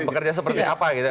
bekerja seperti apa